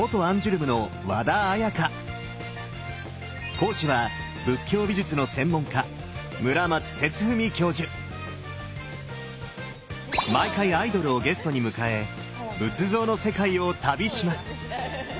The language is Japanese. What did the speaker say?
講師は仏教美術の専門家毎回アイドルをゲストに迎え仏像の世界を旅します！